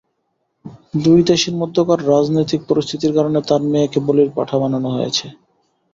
দুই দেশের মধ্যকার রাজনৈতিক পরিস্থিতির কারণে তাঁর মেয়েকে বলির পাঁঠা বানানো হয়েছে।